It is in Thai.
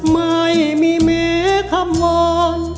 ไม่มีเหมือคำว้อน